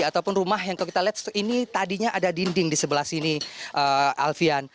ataupun rumah yang kalau kita lihat ini tadinya ada dinding di sebelah sini alfian